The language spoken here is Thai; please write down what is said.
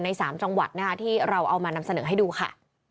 ๓จังหวัดนะคะที่เราเอามานำเสนอให้ดูค่ะ